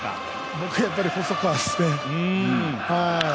僕、やっぱり細川ですね。